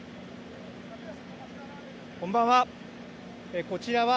こんばんは。